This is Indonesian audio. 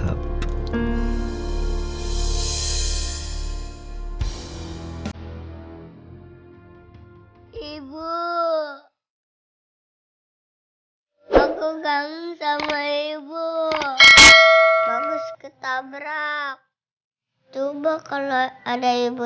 hai ibu aku kangen sama ibu bagus ketabrak tubuh kalau ada ibu